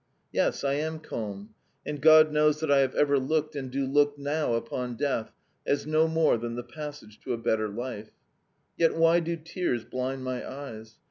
Yes, I am calm, and God knows that I have ever looked, and do look now, upon death as no more than the passage to a better life. Yet why do tears blind my eyes?